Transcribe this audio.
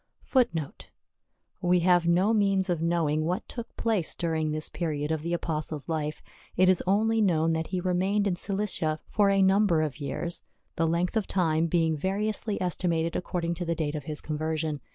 We have no means of knowing what took place during this period of the Apostle's life. It is only known that he remained in Cilicia for a number of years, the length of time being vari ously estimated according to the date of his conversion.